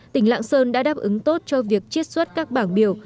tỉnh lạng sơn đã đáp ứng tốt cho việc chiết xuất các bảng biểu